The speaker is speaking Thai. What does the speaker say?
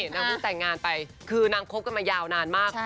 นางเพิ่งแต่งงานไปคือนางคบกันมายาวนานมาก